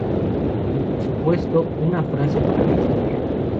Y por supuesto, una frase para la historia.